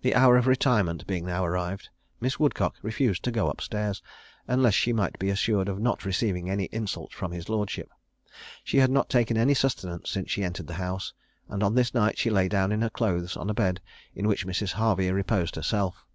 The hour of retirement being now arrived, Miss Woodcock refused to go up stairs, unless she might be assured of not receiving any insult from his lordship. She had not taken any sustenance since she entered the house; and on this night she lay down in her clothes on a bed in which Mrs. Harvey reposed herself.